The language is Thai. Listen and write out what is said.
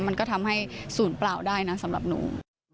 มันก็ทำให้ศูนย์เปล่าได้นะสำหรับหนู